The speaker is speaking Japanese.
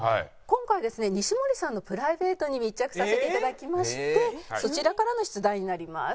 今回ですね西森さんのプライベートに密着させて頂きましてそちらからの出題になります。